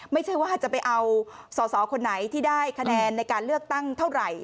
ไม่ใช่ว่าจะไปเอาสอสอคนไหนที่ได้คะแนนในการเลือกตั้งเท่าไหร่